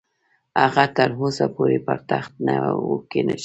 هغه تر اوسه پورې پر تخت نه وو کښېنستلی.